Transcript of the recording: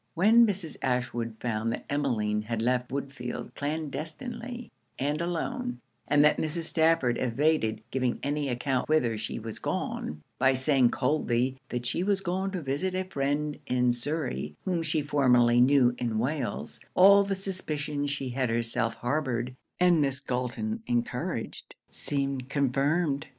When Mrs. Ashwood found that Emmeline had left Woodfield clandestinely and alone, and that Mrs. Stafford evaded giving any account whither she was gone, by saying coldly that she was gone to visit a friend in Surrey whom she formerly knew in Wales, all the suspicions she had herself harboured, and Miss Galton encouraged, seemed confirmed.